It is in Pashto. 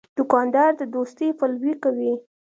دوکاندار د دوستۍ پلوي کوي.